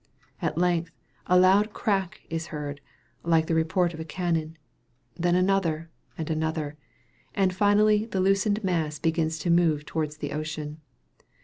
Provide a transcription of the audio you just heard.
At length a loud crack is heard, like the report of a cannon then another, and another and finally the loosened mass begins to move towards the ocean.